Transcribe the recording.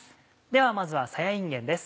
ではまずはさやいんげんです。